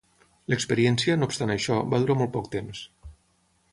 L'experiència, no obstant això, va durar molt poc temps.